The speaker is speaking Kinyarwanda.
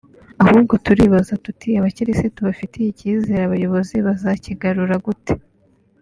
Ahubwo turibaza tuti abakirisitu bafitiye icyizere abayobozi bazakigarura gute